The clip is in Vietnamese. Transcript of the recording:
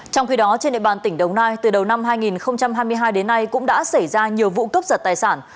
trong khi đó trên địa bàn tỉnh đồng nai từ đầu năm hai nghìn hai mươi hai đến nay cũng đã xảy ra nhiều vụ cướp giật tài sản